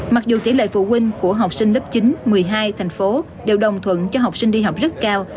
mặc dù tỷ lệ phụ huynh của học sinh lớp chín một mươi hai thành phố đều đồng thuận cho học sinh đi học rất cao